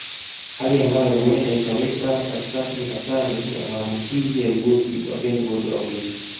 Hali ambayo huenda ikawaweka katika hatari ya maambukizi ya virusi wapenzi wote wawili